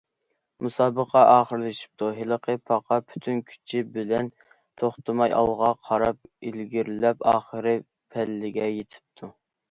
مۇسابىقە ئاخىرلىشىپتۇ، ھېلىقى پاقا پۈتۈن كۈچى بىلەن توختىماي ئالغا قاراپ ئىلگىرىلەپ ئاخىرقى پەللىگە يېتىپتۇ.